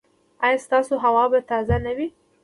ایا ستاسو هوا به تازه نه وي؟